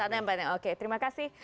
startnya empat mei oke terima kasih